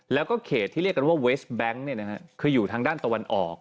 แล้วก็เขตที่เรียกกันว่าเวสแบงค์คืออยู่ทางด้านตะวันออก